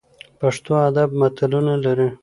پښتو ادب متلونه لري